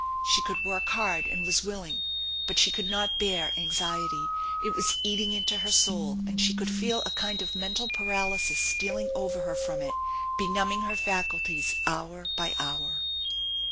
She could work hard and was willing ; but she could not bear anxiety. It was eating into her soul, and she could feel a kind of mental paralysis stealing over her from it, benumbing her faculties hour by hour.